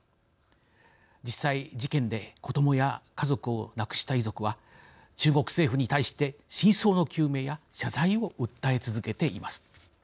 実際、事件で子どもや家族をなくした遺族は中国政府に対して真相の究明や謝罪を訴え続けています。